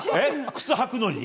靴履くのに？